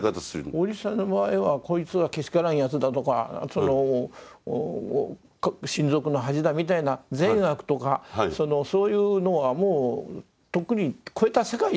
おじさんの場合はこいつはけしからんやつだとか親族の恥だみたいな善悪とかそういうのはもうとっくに超えた世界にいらっしゃるということですね。